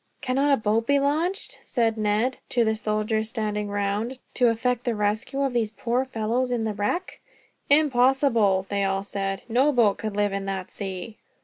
"Cannot a boat be launched," said Ned to the soldiers standing round, "to effect the rescue of these poor fellows in that wreck?" "Impossible!" they all said. "No boat could live in that sea."